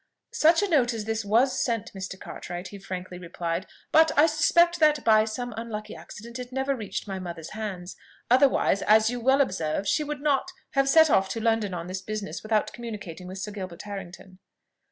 "Such a note as this was sent, Mr. Cartwright," he frankly replied: "but I suspect that by some unlucky accident it never reached my mother's hands; otherwise, as you well observe, she would not, most assuredly, have set off to London on this business without communicating with Sir Gilbert Harrington."